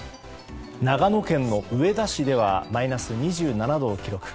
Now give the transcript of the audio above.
長野県の上田市ではマイナス２７度を記録。